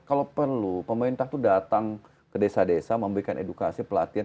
kalau perlu pemerintah itu datang ke desa desa memberikan edukasi pelatihan